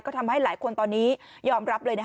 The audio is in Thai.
ก็ทำให้หลายคนตอนนี้ยอมรับเลย